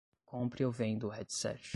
Compre ou venda o headset